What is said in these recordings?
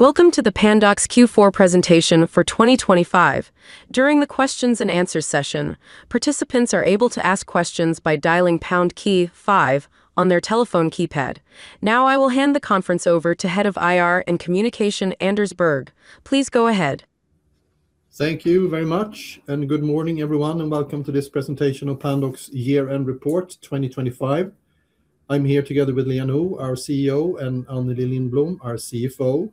Welcome to the Pandox Q4 presentation for 2025. During the questions and answers session, participants are able to ask questions by dialing pound key five on their telephone keypad. Now, I will hand the conference over to Head of IR and Communications, Anders Berg. Please go ahead. Thank you very much, and good morning, everyone, and welcome to this presentation of Pandox Year-End Report 2025. I'm here together with Liia Nõu, our CEO, and Anneli Lindblom, our CFO.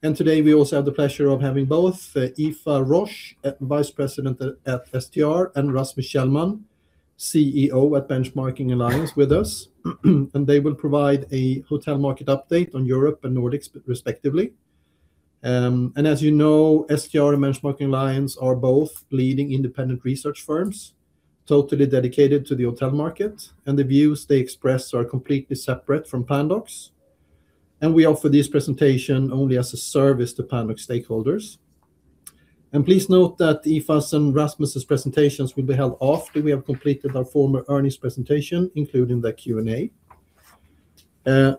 Today, we also have the pleasure of having both Aoife Roche, Vice President at STR, and Rasmus Kjellman, CEO at Benchmarking Alliance, with us. They will provide a hotel market update on Europe and Nordics, respectively. As you know, STR and Benchmarking Alliance are both leading independent research firms, totally dedicated to the hotel market, and the views they express are completely separate from Pandox. We offer this presentation only as a service to Pandox stakeholders. Please note that Aoife's and Rasmus's presentations will be held after we have completed our formal earnings presentation, including the Q&A.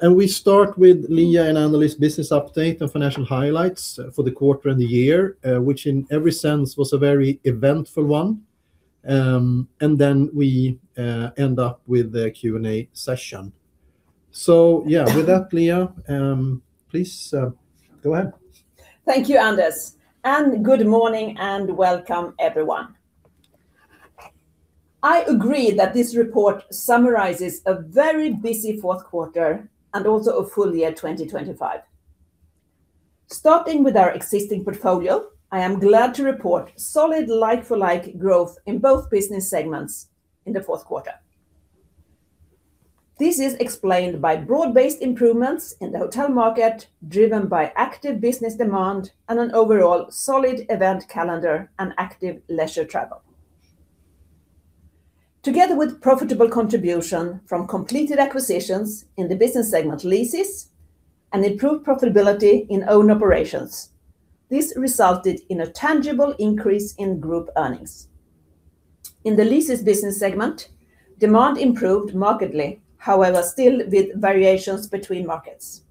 We start with Liia and Anne's business update and financial highlights for the quarter and the year, which in every sense was a very eventful one. Then we end up with the Q&A session. Yeah, with that, Liia, please go ahead. Thank you, Anders, and good morning, and welcome everyone. I agree that this report summarizes a very busy fourth quarter and also a full year 2025. Starting with our existing portfolio, I am glad to report solid, like-for-like growth in both business segments in the fourth quarter. This is explained by broad-based improvements in the hotel market, driven by active business demand and an overall solid event calendar and active leisure travel. Together with profitable contribution from completed acquisitions in the business segment leases and improved profitability in own operations, this resulted in a tangible increase in group earnings. In the leases business segment, demand improved markedly, however, still with variations between markets.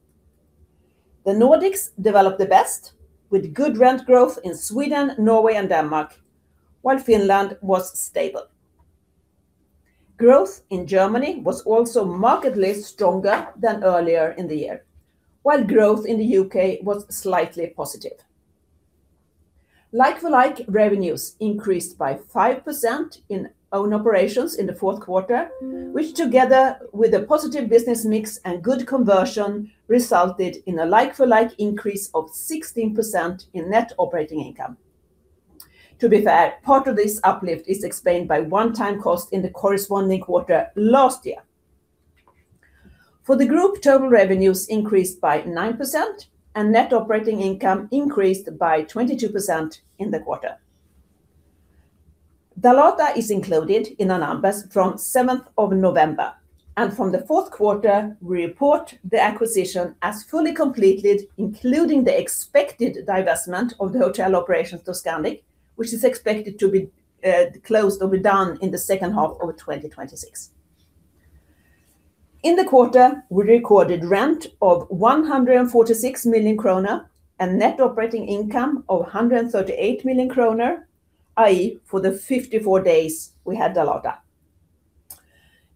The Nordics developed the best, with good rent growth in Sweden, Norway, and Denmark, while Finland was stable. Growth in Germany was also markedly stronger than earlier in the year, while growth in the U.K. was slightly positive. Like-for-like revenues increased by 5% in own operations in the fourth quarter, which, together with a positive business mix and good conversion, resulted in a like-for-like increase of 16% in net operating income. To be fair, part of this uplift is explained by one-time cost in the corresponding quarter last year. For the group, total revenues increased by 9%, and net operating income increased by 22% in the quarter. Dalata is included in our numbers from 7th of November, and from the fourth quarter, we report the acquisition as fully completed, including the expected divestment of the hotel operations to Scandic, which is expected to be closed or be done in the second half of 2026. In the quarter, we recorded rent of 146 million kronor and net operating income of 138 million kronor, i.e., for the 54 days we had Dalata.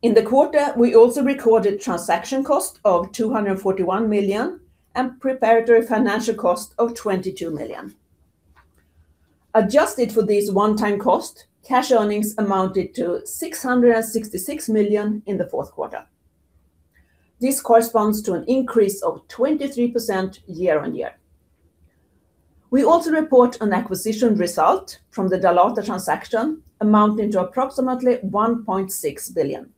In the quarter, we also recorded transaction cost of 241 million and preparatory financial cost of 22 million. Adjusted for these one-time cost, Cash Earnings amounted to 666 million in the fourth quarter. This corresponds to an increase of 23% year-on-year. We also report an acquisition result from the Dalata transaction amounting to approximately 1.6 billion.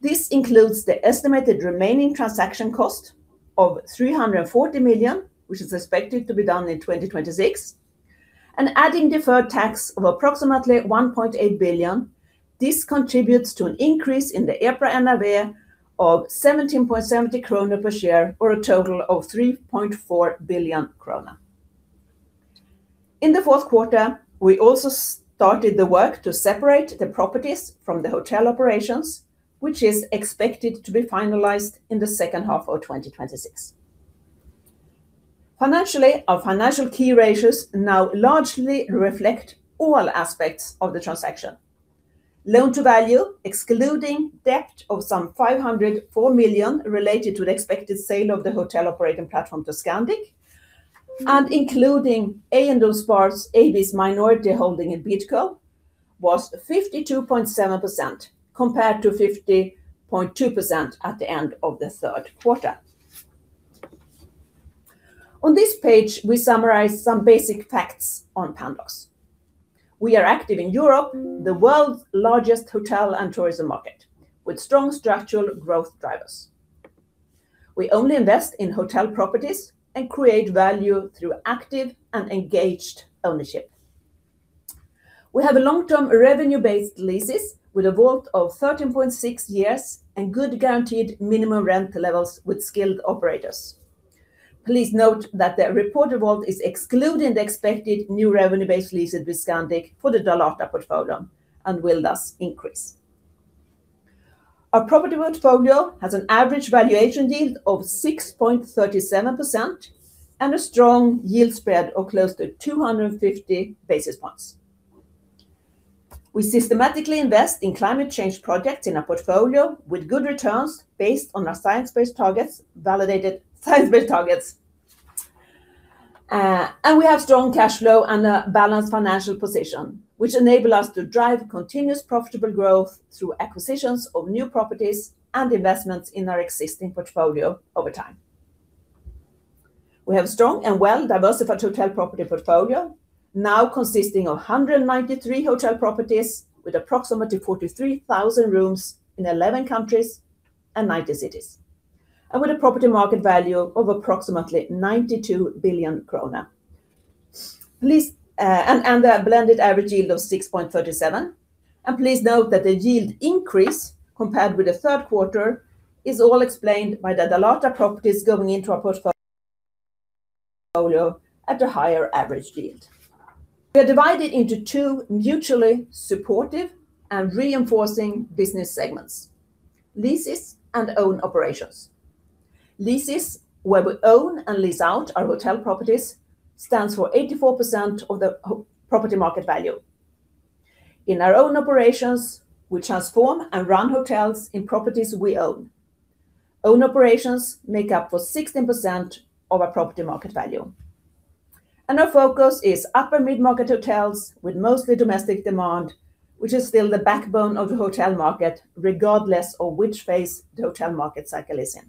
This includes the estimated remaining transaction cost of 340 million, which is expected to be done in 2026, and adding deferred tax of approximately 1.8 billion. This contributes to an increase in the EPRA NAV of 17.70 kronor per share, or a total of 3.4 billion kronor. In the fourth quarter, we also started the work to separate the properties from the hotel operations, which is expected to be finalized in the second half of 2026. Financially, our financial key ratios now largely reflect all aspects of the transaction. Loan-to-value, excluding debt of some 504 million related to the expected sale of the hotel operating platform to Scandic, and including Eiendomsspar AB's minority holding in Bidco, was 52.7%, compared to 50.2% at the end of the third quarter. On this page, we summarize some basic facts on Pandox. We are active in Europe, the world's largest hotel and tourism market, with strong structural growth drivers. We only invest in hotel properties and create value through active and engaged ownership. We have a long-term, revenue-based leases with a WAULT of 13.6 years and good guaranteed minimum rent levels with skilled operators. Please note that the reported WAULT is excluding the expected new revenue-based leases with Scandic for the Dalata portfolio and will thus increase. Our property portfolio has an average valuation yield of 6.37% and a strong yield spread of close to 250 basis points. We systematically invest in climate change projects in our portfolio with good returns based on our science-based targets, validated science-based targets. And we have strong cash flow and a balanced financial position, which enable us to drive continuous profitable growth through acquisitions of new properties and investments in our existing portfolio over time. We have a strong and well-diversified hotel property portfolio, now consisting of 193 hotel properties, with approximately 43,000 rooms in 11 countries and 90 cities, and with a property market value of approximately 92 billion krona. And a blended average yield of 6.37, and please note that the yield increase compared with the third quarter is all explained by the Dalata properties going into our portfolio at a higher average yield. We are divided into two mutually supportive and reinforcing business segments: leases and own operations. Leases, where we own and lease out our hotel properties, stands for 84% of the property market value. In our own operations, we transform and run hotels in properties we own. Our own operations make up 16% of our property market value, and our focus is upper mid-market hotels with mostly domestic demand, which is still the backbone of the hotel market, regardless of which phase the hotel market cycle is in.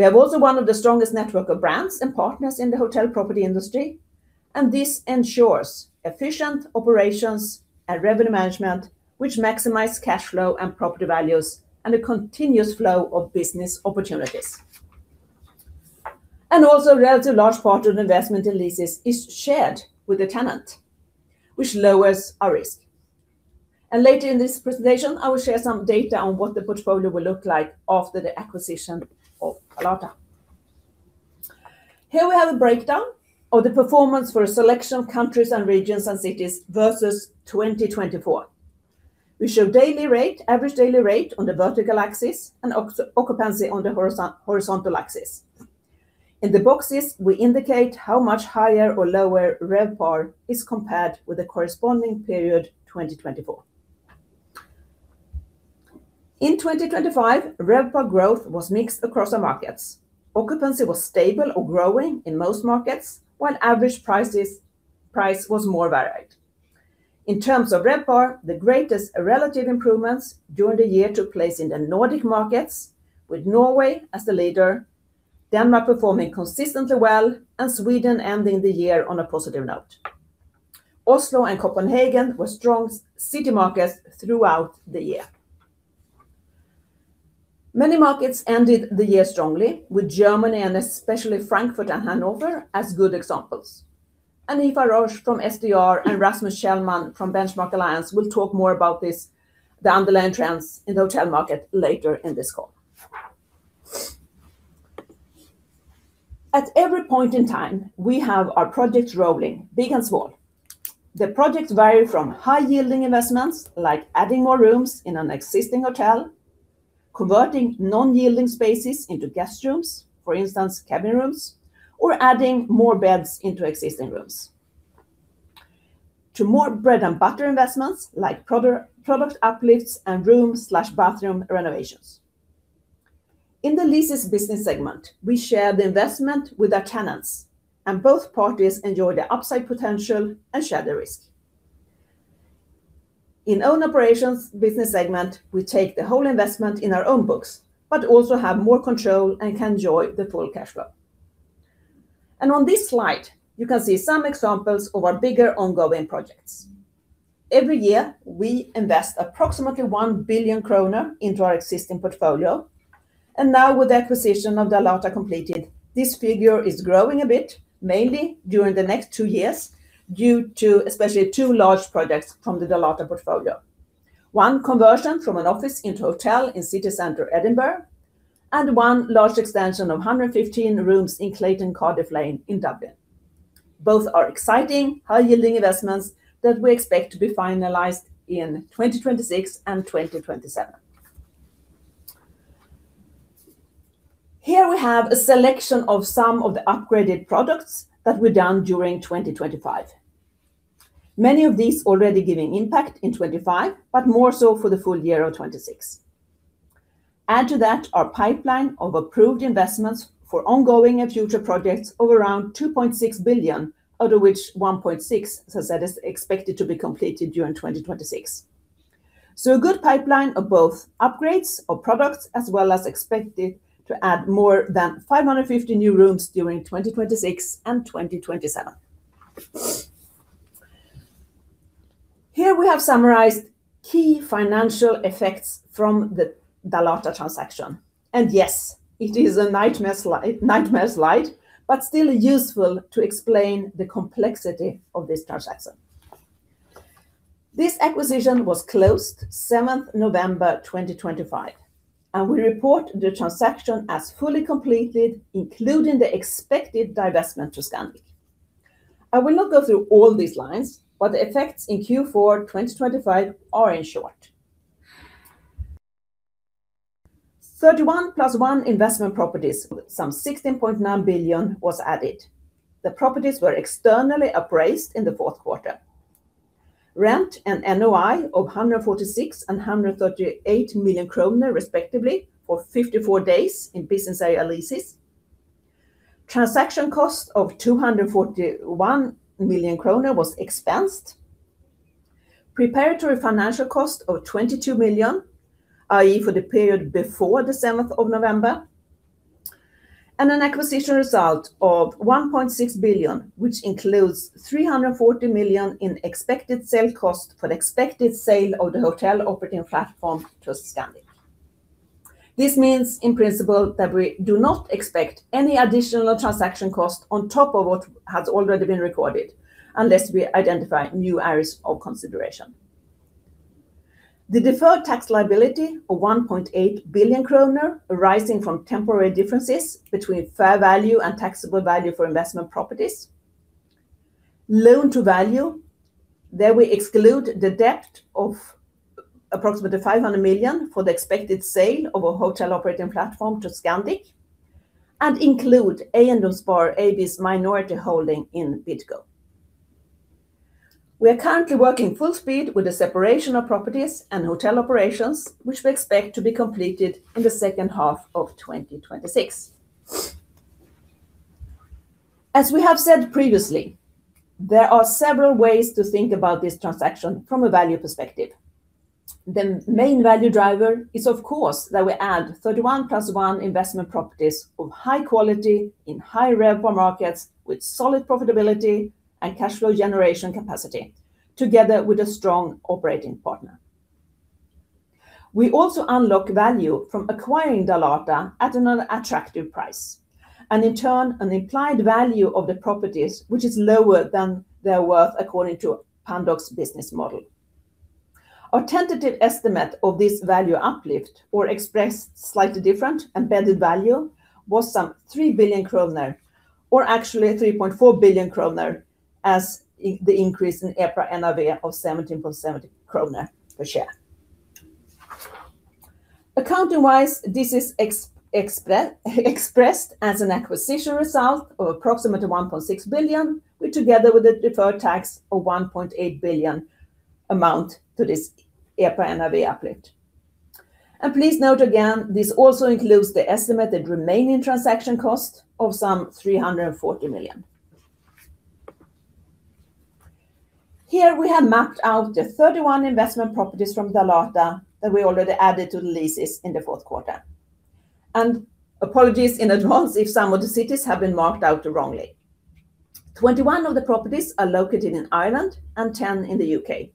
We have also one of the strongest network of brands and partners in the hotel property industry, and this ensures efficient operations and revenue management, which maximize cash flow and property values, and a continuous flow of business opportunities. A relatively large part of investment in leases is shared with the tenant, which lowers our risk. Later in this presentation, I will share some data on what the portfolio will look like after the acquisition of Dalata. Here we have a breakdown of the performance for a selection of countries and regions and cities versus 2024. We show daily rate, average daily rate on the vertical axis and occupancy on the horizontal axis. In the boxes, we indicate how much higher or lower RevPAR is compared with the corresponding period, 2024. In 2025, RevPAR growth was mixed across our markets. Occupancy was stable or growing in most markets, while average prices was more varied. In terms of RevPAR, the greatest relative improvements during the year took place in the Nordic markets, with Norway as the leader, Denmark performing consistently well, and Sweden ending the year on a positive note. Oslo and Copenhagen were strong city markets throughout the year. Many markets ended the year strongly, with Germany and especially Frankfurt and Hanover, as good examples. Aoife Roche from STR and Rasmus Kjellman from Benchmarking Alliance will talk more about this, the underlying trends in the hotel market later in this call. At every point in time, we have our projects rolling, big and small. The projects vary from high-yielding investments, like adding more rooms in an existing hotel, converting non-yielding spaces into guest rooms, for instance, cabin rooms, or adding more beds into existing rooms. To more bread and butter investments like product uplifts and room/bathroom renovations. In the leases business segment, we share the investment with our tenants, and both parties enjoy the upside potential and share the risk. In own operations business segment, we take the whole investment in our own books, but also have more control and can enjoy the full cash flow. On this slide, you can see some examples of our bigger ongoing projects. Every year, we invest approximately 1 billion kronor into our existing portfolio, and now with the acquisition of Dalata completed, this figure is growing a bit, mainly during the next two years, due to especially two large projects from the Dalata portfolio. One conversion from an office into hotel in City Centre, Edinburgh, and one large extension of 115 rooms in Clayton Hotel Cardiff Lane in Dublin. Both are exciting, high-yielding investments that we expect to be finalized in 2026 and 2027. Here we have a selection of some of the upgraded products that were done during 2025. Many of these already giving impact in 25, but more so for the full year of 26. Add to that our pipeline of approved investments for ongoing and future projects of around 2.6 billion, out of which 1.6, as I said, is expected to be completed during 2026. So a good pipeline of both upgrades or products, as well as expected to add more than 550 new rooms during 2026 and 2027. Here we have summarized key financial effects from the Dalata transaction. And yes, it is a nightmare slide, but still useful to explain the complexity of this transaction. This acquisition was closed 7 November 2025, and we report the transaction as fully completed, including the expected divestment to Scandic.... I will not go through all these lines, but the effects in Q4 2025 are in short: 31 + 1 investment properties, some 16.9 billion was added. The properties were externally appraised in the fourth quarter. Rent and NOI of 146 million kronor and 138 million kronor respectively, for 54 days in business area leases. Transaction cost of 241 million kronor was expensed. Preparatory financial cost of 22 million, i.e., for the period before December of November, and an acquisition result of 1.6 billion, which includes 340 million in expected sale cost for the expected sale of the hotel operating platform to Scandic. This means, in principle, that we do not expect any additional transaction cost on top of what has already been recorded, unless we identify new areas of consideration. The deferred tax liability of 1.8 billion kronor, arising from temporary differences between fair value and taxable value for investment properties. Loan-to-value, there we exclude the debt of approximately 500 million for the expected sale of a hotel operating platform to Scandic, and include Eiendomsspar AB's minority holding in Bidco. We are currently working full speed with the separation of properties and hotel operations, which we expect to be completed in the second half of 2026. As we have said previously, there are several ways to think about this transaction from a value perspective. The main value driver is, of course, that we add 31 + 1 investment properties of high quality in high RevPAR markets, with solid profitability and cash flow generation capacity, together with a strong operating partner. We also unlock value from acquiring Dalata at an attractive price, and in turn, an implied value of the properties, which is lower than their worth according to Pandox business model. Our tentative estimate of this value uplift, or expressed slightly different, embedded value, was some 3 billion kronor, or actually 3.4 billion kronor, as the increase in EPRA NAV of 17.70 kronor per share. Accounting-wise, this is expressed as an acquisition result of approximately 1.6 billion, which, together with the deferred tax of 1.8 billion, amount to this EPRA NAV uplift. Please note again, this also includes the estimated remaining transaction cost of some 340 million. Here we have mapped out the 31 investment properties from Dalata that we already added to the leases in the fourth quarter. Apologies in advance if some of the cities have been marked out wrongly. 21 of the properties are located in Ireland and 10 in the UK.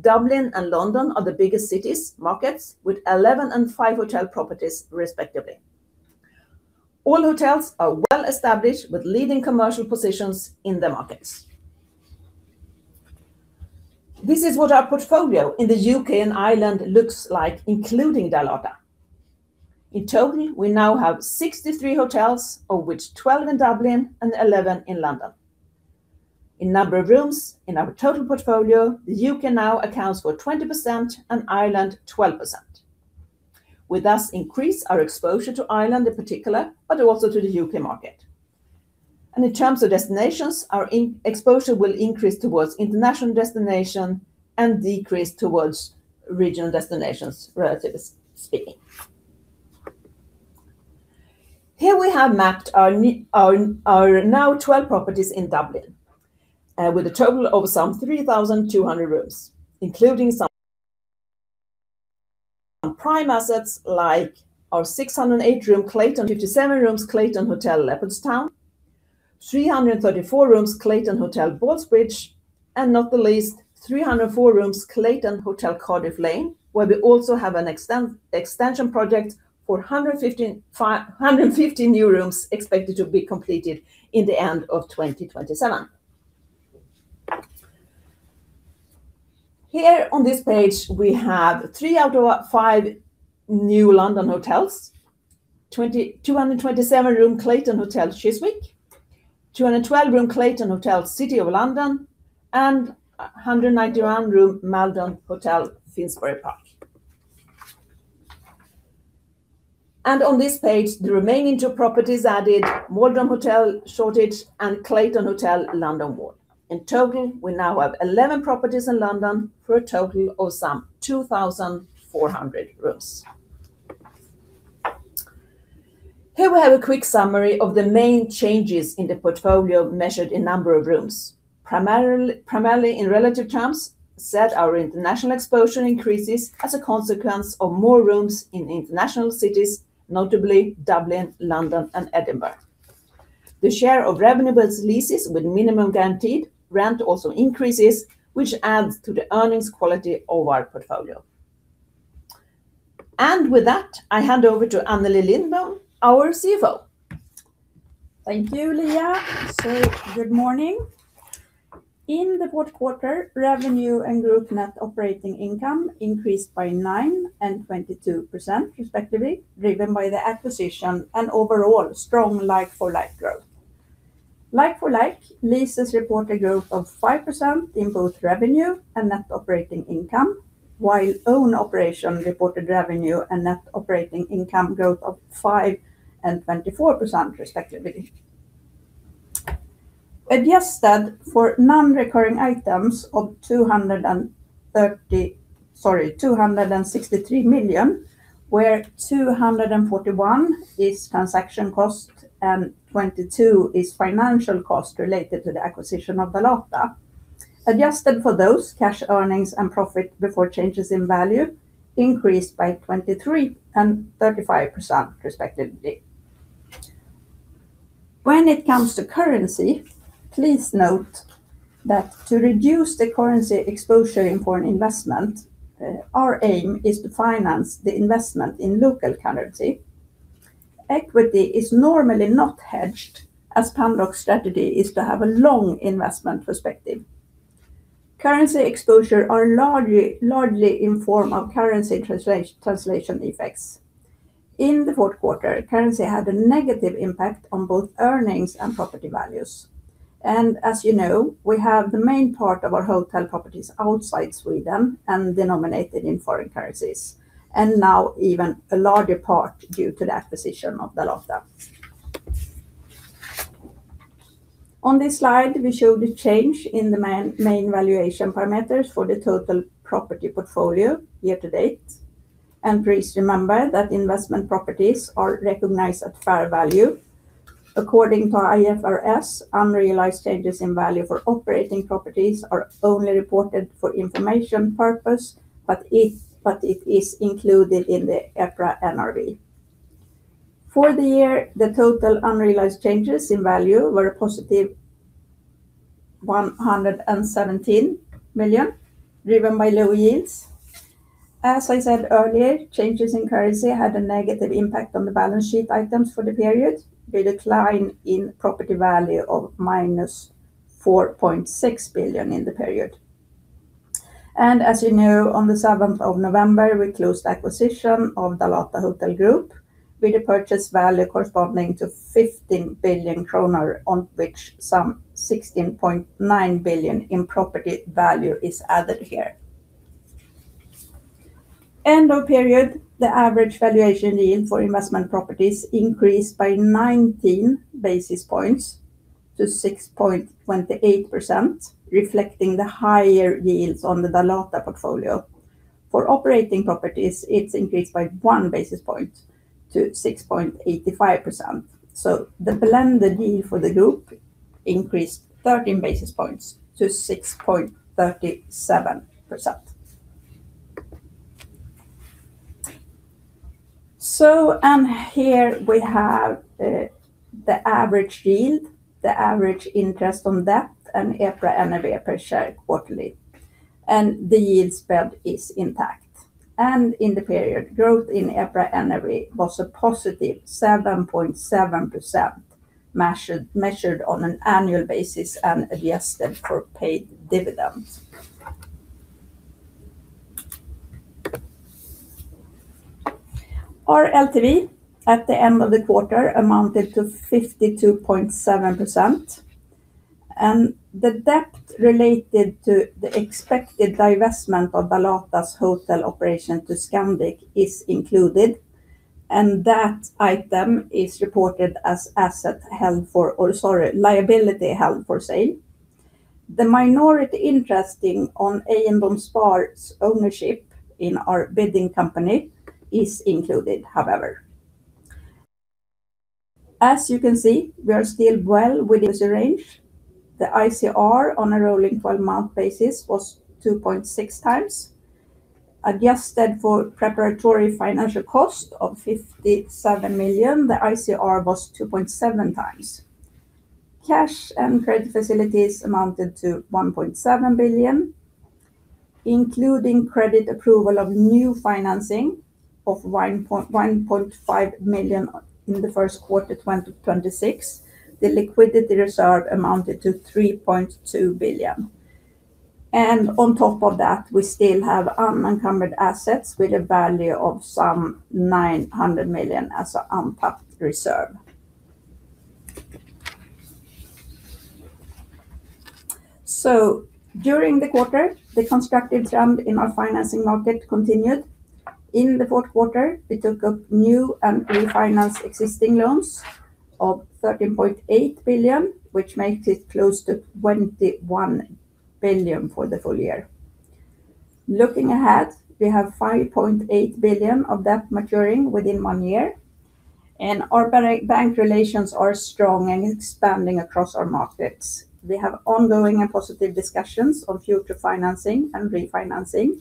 Dublin and London are the biggest city markets, with 11 and five hotel properties, respectively. All hotels are well-established with leading commercial positions in the markets. This is what our portfolio in the U.K. and Ireland looks like, including Dalata. In total, we now have 63 hotels, of which 12 in Dublin and 11 in London. In number of rooms in our total portfolio, the U.K. now accounts for 20% and Ireland 12%. We thus increase our exposure to Ireland in particular, but also to the U.K. market. In terms of destinations, our exposure will increase towards international destination and decrease towards regional destinations, relatively speaking. Here we have mapped our now 12 properties in Dublin, with a total of some 3,200 rooms, including some prime assets, like our 608-room Clayton, 57-room Clayton Hotel Leopardstown, 334-room Clayton Hotel Ballsbridge, and not the least, 304-room Clayton Hotel Cardiff Lane, where we also have an extension project for 115 new rooms expected to be completed in the end of 2027. Here on this page, we have three out of our five new London hotels: 227-room Clayton Hotel Chiswick, 212-room Clayton Hotel City of London, and 191-room Maldron Hotel Finsbury Park. On this page, the remaining two properties added, Maldron Hotel Shoreditch and Clayton Hotel London Wall. In total, we now have 11 properties in London, for a total of some 2,400 rooms. Here we have a quick summary of the main changes in the portfolio, measured in number of rooms. Primarily, in relative terms, so our international exposure increases as a consequence of more rooms in international cities, notably Dublin, London, and Edinburgh. The share of revenue with leases with minimum guaranteed rent also increases, which adds to the earnings quality of our portfolio. And with that, I hand over to Anneli Lindblom, our CFO. Thank you, Liia. Good morning. In the fourth quarter, revenue and group net operating income increased by 9% and 22% respectively, driven by the acquisition and overall strong like-for-like growth. Like-for-like leases report a growth of 5% in both revenue and net operating income, while own operation reported revenue and net operating income growth of 5% and 24% respectively. Adjusted for non-recurring items of 263 million, where 241 million is transaction cost, and 22 million is financial cost related to the acquisition of Dalata. Adjusted for those, cash earnings and profit before changes in value increased by 23% and 35% respectively. When it comes to currency, please note that to reduce the currency exposure in foreign investment, our aim is to finance the investment in local currency. Equity is normally not hedged, as Pandox's strategy is to have a long investment perspective. Currency exposure is largely in form of currency translation effects. In the fourth quarter, currency had a negative impact on both earnings and property values, and as you know, we have the main part of our hotel properties outside Sweden and denominated in foreign currencies, and now even a larger part due to the acquisition of Dalata. On this slide, we show the change in the main valuation parameters for the total property portfolio year to date, and please remember that investment properties are recognized at fair value. According to IFRS, unrealized changes in value for operating properties are only reported for information purposes, but it is included in the EPRA NRV. For the year, the total unrealized changes in value were a positive 117 million, driven by low yields. As I said earlier, changes in currency had a negative impact on the balance sheet items for the period, with a decline in property value of minus 4.6 billion in the period. As you know, on the seventh of November, we closed the acquisition of Dalata Hotel Group, with a purchase value corresponding to 15 billion kronor, on which some 16.9 billion in property value is added here. End of period, the average valuation yield for investment properties increased by 19 basis points to 6.28%, reflecting the higher yields on the Dalata portfolio. For operating properties, it's increased by 1 basis point to 6.85%. So the blended yield for the group increased 13 basis points to 6.37%. So, and here we have the average yield, the average interest on debt, and EPRA NRV per share quarterly, and the yield spread is intact. And in the period, growth in EPRA NRV was a positive 7.7%, measured, measured on an annual basis and adjusted for paid dividends. Our LTV at the end of the quarter amounted to 52.7%, and the debt related to the expected divestment of Dalata's hotel operation to Scandic is included, and that item is reported as asset held for... or, sorry, liability held for sale. The minority interest in on Eiendomsspar's ownership in our Bidco is included, however. As you can see, we are still well within this range. The ICR on a rolling twelve-month basis was 2.6x. Adjusted for preparatory financial cost of 57 million, the ICR was 2.7x. Cash and credit facilities amounted to 1.7 billion, including credit approval of new financing of 1.1, 1.5 million in the first quarter, 2026. The liquidity reserve amounted to 3.2 billion, and on top of that, we still have unencumbered assets with a value of some 900 million as an untapped reserve. So during the quarter, the constructive trend in our financing market continued. In the fourth quarter, we took up new and refinanced existing loans of 13.8 billion, which makes it close to 21 billion for the full year. Looking ahead, we have 5.8 billion of debt maturing within one year, and our bank relations are strong and expanding across our markets. We have ongoing and positive discussions on future financing and refinancing,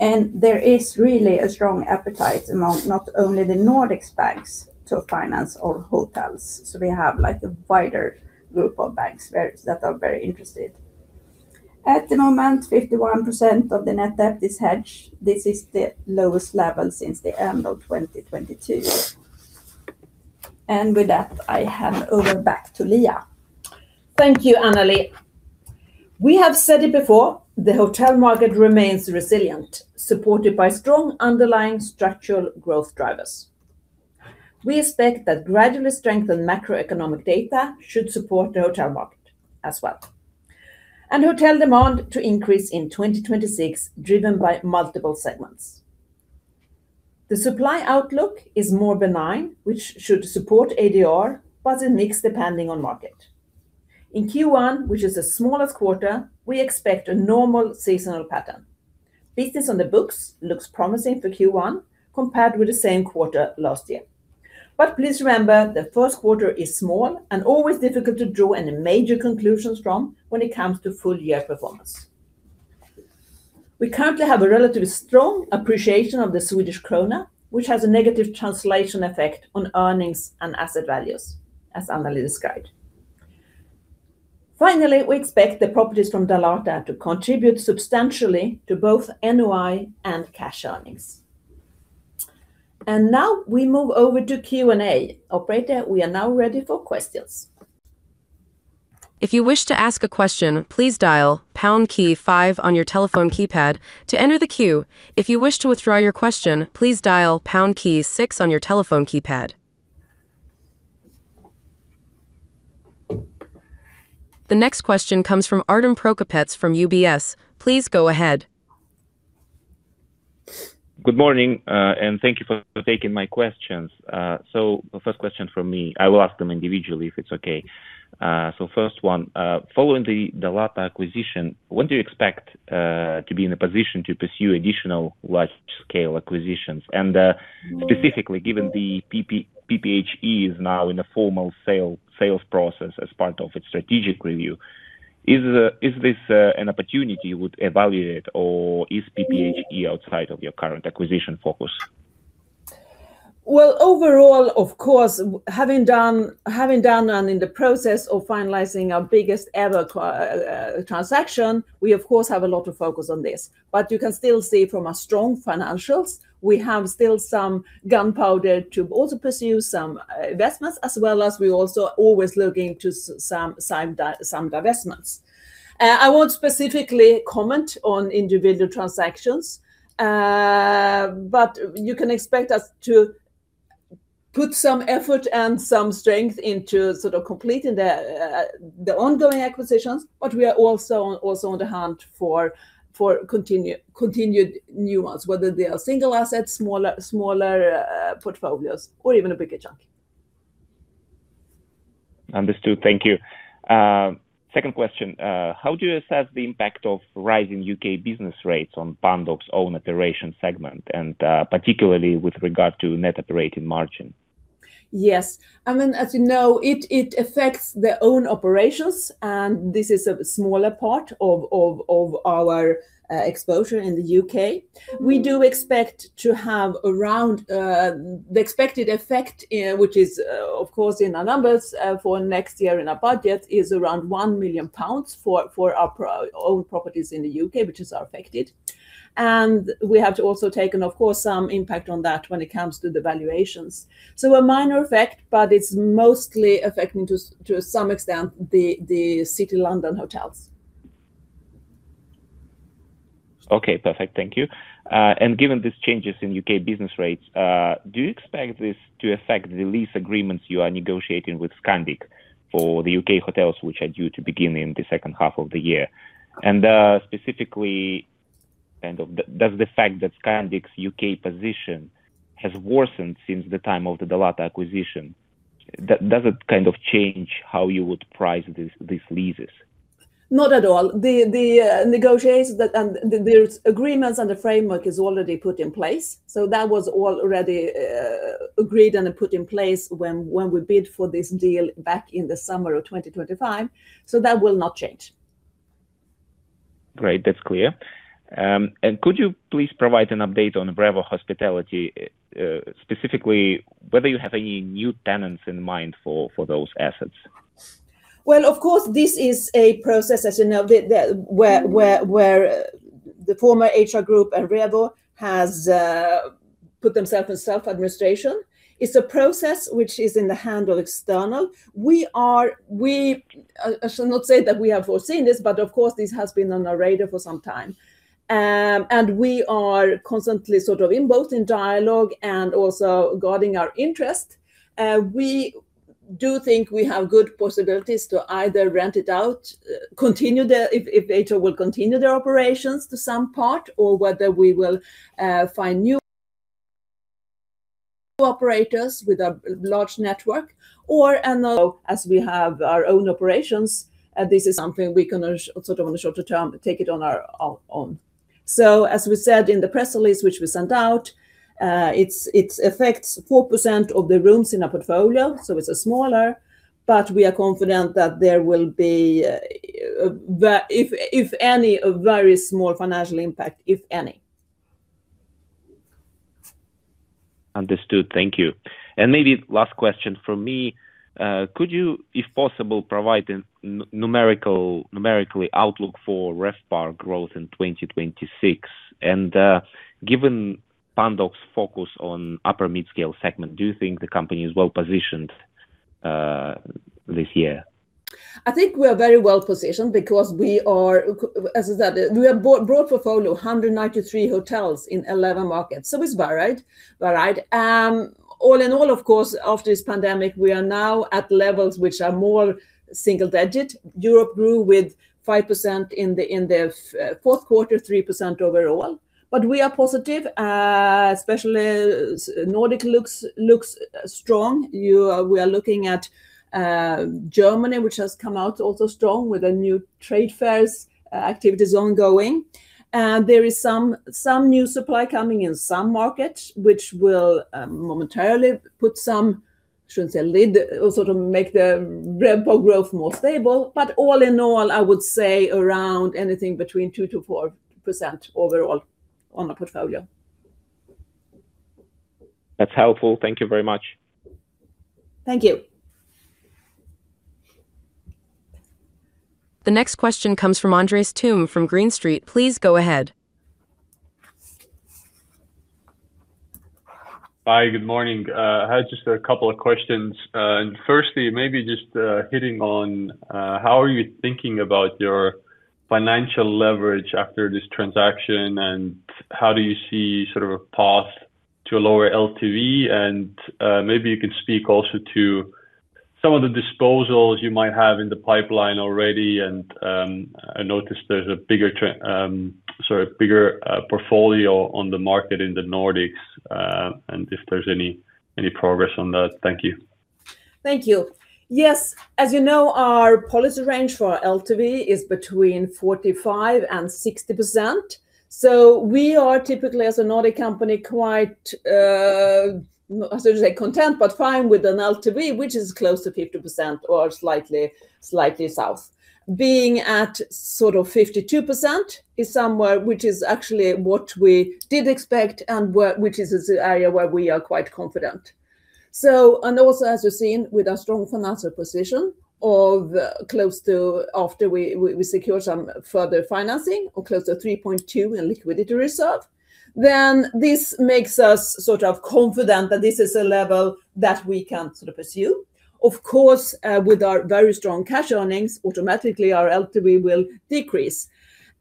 and there is really a strong appetite among not only the Nordics banks to finance our hotels. So we have, like, a wider group of banks very, that are very interested. At the moment, 51% of the net debt is hedged. This is the lowest level since the end of 2022.... And with that, I hand over back to Liia. Thank you, Anneli. We have said it before, the hotel market remains resilient, supported by strong underlying structural growth drivers. We expect that gradually strengthened macroeconomic data should support the hotel market as well, and hotel demand to increase in 2026, driven by multiple segments. The supply outlook is more benign, which should support ADR, but it's mixed depending on market. In Q1, which is the smallest quarter, we expect a normal seasonal pattern. Business on the books looks promising for Q1 compared with the same quarter last year. But please remember, the first quarter is small and always difficult to draw any major conclusions from when it comes to full year performance. We currently have a relatively strong appreciation of the Swedish krona, which has a negative translation effect on earnings and asset values, as Anneli described. Finally, we expect the properties from Dalata to contribute substantially to both NOI and cash earnings. Now we move over to Q&A. Operator, we are now ready for questions. If you wish to ask a question, please dial pound key five on your telephone keypad to enter the queue. If you wish to withdraw your question, please dial pound key six on your telephone keypad. The next question comes from Artem Prokopenets from UBS. Please go ahead. Good morning, and thank you for taking my questions. The first question from me, I will ask them individually if it's okay. First one, following the Dalata acquisition, when do you expect to be in a position to pursue additional large-scale acquisitions? And, specifically, given the PPHE is now in a formal sale, sales process as part of its strategic review, is this an opportunity you would evaluate, or is PPHE outside of your current acquisition focus? Well, overall, of course, having done and in the process of finalizing our biggest ever transaction, we of course have a lot of focus on this. But you can still see from our strong financials, we have still some gunpowder to also pursue some investments, as well as we also always looking to some divestments. I won't specifically comment on individual transactions, but you can expect us to put some effort and some strength into sort of completing the ongoing acquisitions, but we are also on the hunt for continued new ones, whether they are single assets, smaller portfolios, or even a bigger chunk. Understood. Thank you. Second question. How do you assess the impact of rising U.K. business rates on Pandox's own operations segment, and particularly with regard to net operating margin? Yes. I mean, as you know, it affects their own operations, and this is a smaller part of our exposure in the UK. We do expect to have around the expected effect, which is, of course, in our numbers, for next year in our budget, is around 1 million pounds for our own properties in the UK, which is affected. And we have to also take, and of course, some impact on that when it comes to the valuations. So a minor effect, but it's mostly affecting to some extent, the City of London hotels. Okay, perfect. Thank you. And given these changes in U.K. business rates, do you expect this to affect the lease agreements you are negotiating with Scandic for the U.K. hotels, which are due to begin in the second half of the year? And, specifically, kind of the, does the fact that Scandic's U.K. position has worsened since the time of the Dalata acquisition, does it kind of change how you would price these, these leases? Not at all. The negotiation and the agreements on the framework is already put in place, so that was already agreed and put in place when we bid for this deal back in the summer of 2025. So that will not change. Great. That's clear. Could you please provide an update on Bravo Hospitality, specifically whether you have any new tenants in mind for those assets? Well, of course, this is a process, as you know, where the former HR Group and Bravo Hospitality has put themselves in self-administration. It's a process which is in the hand of external. We are... I should not say that we have foreseen this, but of course, this has been on our radar for some time. And we are constantly in both in dialogue and also guarding our interest. We do think we have good possibilities to either rent it out, continue the, if they will continue their operations to some part, or whether we will find new operators with a large network or, and, as we have our own operations, this is something we can, sort of on the shorter term, take it on our, on. So as we said in the press release, which we sent out, it affects 4% of the rooms in our portfolio, so it's a smaller, but we are confident that there will be, if any, a very small financial impact, if any. Understood. Thank you. Maybe last question from me. Could you, if possible, provide a numerical outlook for RevPAR growth in 2026? And, given Pandox's focus on upper mid-scale segment, do you think the company is well positioned this year?... I think we are very well positioned because we are, we have broad portfolio, 193 hotels in 11 markets. So it's varied. All in all, of course, after this pandemic, we are now at levels which are more single digit. Europe grew with 5% in the fourth quarter, 3% overall. But we are positive, especially Nordic looks strong. We are looking at Germany, which has come out also strong with the new trade fairs activities ongoing. And there is some new supply coming in some markets, which will momentarily put some, I shouldn't say lid, or sort of make the RevPAR growth more stable. But all in all, I would say around anything between 2%-4% overall on the portfolio. That's helpful. Thank you very much. Thank you. The next question comes from Andres Toome from Green Street. Please go ahead. Hi, good morning. I had just a couple of questions. Firstly, maybe just hitting on how are you thinking about your financial leverage after this transaction, and how do you see sort of a path to a lower LTV? Maybe you could speak also to some of the disposals you might have in the pipeline already. I noticed there's a bigger trend, sorry, bigger portfolio on the market in the Nordics, and if there's any progress on that. Thank you. Thank you. Yes, as you know, our policy range for our LTV is between 45% and 60%. So we are typically, as a Nordic company, quite, I shouldn't say content, but fine with an LTV, which is close to 50% or slightly, slightly south. Being at sort of 52% is somewhere, which is actually what we did expect and which is an area where we are quite confident. So, and also, as you've seen, with our strong financial position of close to, after we secure some further financing or close to 3.2 billion in liquidity reserve, then this makes us sort of confident that this is a level that we can sort of pursue. Of course, with our very strong cash earnings, automatically, our LTV will decrease.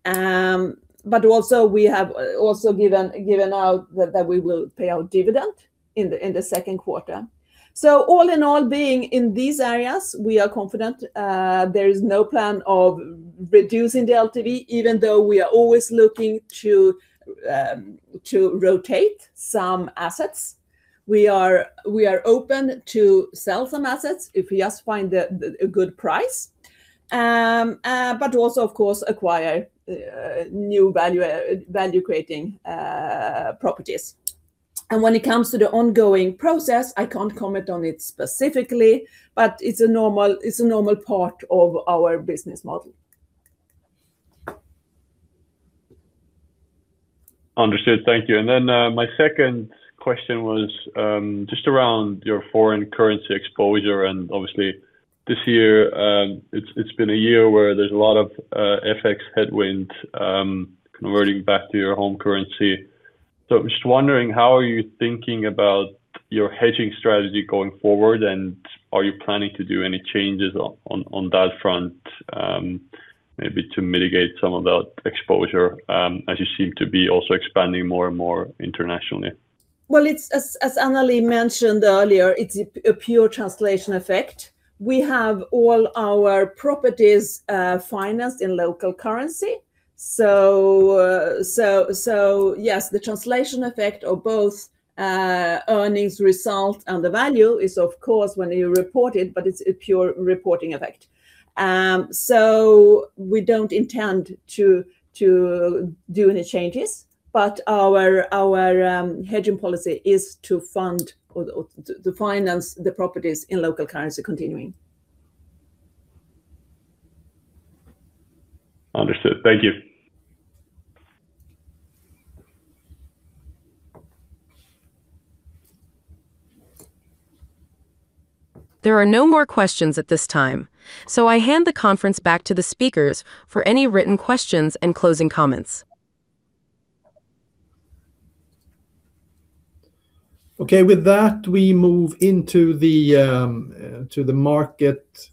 But also, we have also given out that we will pay out dividend in the second quarter. So all in all, being in these areas, we are confident. There is no plan of reducing the LTV, even though we are always looking to rotate some assets. We are open to sell some assets if we just find a good price. But also, of course, acquire new value-creating properties. And when it comes to the ongoing process, I can't comment on it specifically, but it's a normal part of our business model. Understood. Thank you. And then, my second question was, just around your foreign currency exposure. And obviously, this year, it's been a year where there's a lot of FX headwind, converting back to your home currency. So I'm just wondering, how are you thinking about your hedging strategy going forward, and are you planning to do any changes on that front, maybe to mitigate some of that exposure, as you seem to be also expanding more and more internationally? Well, it's as Anneli mentioned earlier, it's a pure translation effect. We have all our properties financed in local currency. So, yes, the translation effect of both earnings result and the value is, of course, when you report it, but it's a pure reporting effect. So we don't intend to do any changes, but our hedging policy is to fund or to finance the properties in local currency continuing. Understood. Thank you. There are no more questions at this time, so I hand the conference back to the speakers for any written questions and closing comments. Okay, with that, we move into the market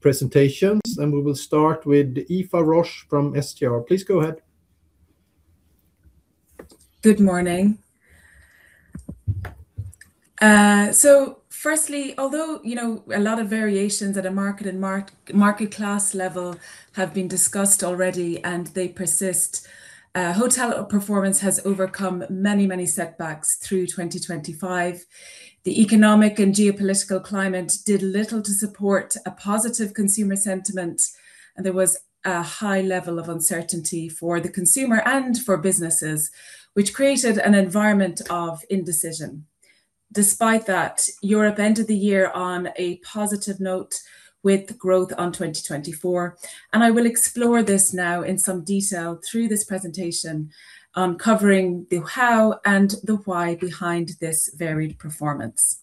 presentations, and we will start with Aoife Roche from STR. Please go ahead. Good morning. So firstly, although, you know, a lot of variations at a market and market class level have been discussed already and they persist, hotel performance has overcome many, many setbacks through 2025. The economic and geopolitical climate did little to support a positive consumer sentiment, and there was a high level of uncertainty for the consumer and for businesses, which created an environment of indecision. Despite that, Europe ended the year on a positive note with growth on 2024, and I will explore this now in some detail through this presentation, covering the how and the why behind this varied performance.